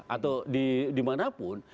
atau di dimanapun